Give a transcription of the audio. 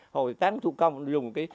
hồi tán thuốc công dùng cái